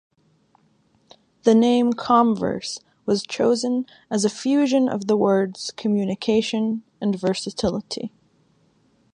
The name "Comverse" was chosen as a fusion of the words "communication" and "versatility".